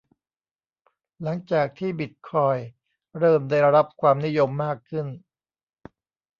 หลังจากที่บิตคอยน์เริ่มได้รับความนิยมมากขึ้น